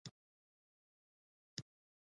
د کاشان ګلاب اوبه مشهورې دي.